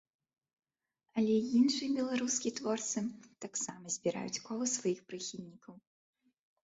Але іншыя беларускія творцы таксама збіраюць кола сваіх прыхільнікаў.